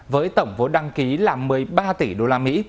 với tổng vốn đăng ký là một mươi ba